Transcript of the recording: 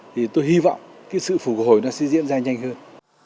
thì tôi hy vọng cái sự phục hồi nó sẽ diễn ra nhanh hơn